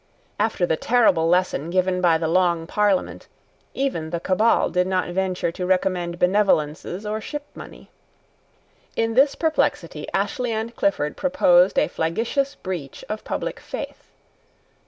After the terrible lesson given by the Long Parliament, even the Cabal did not venture to recommend benevolences or shipmoney. In this perplexity Ashley and Clifford proposed a flagitious breach of public faith.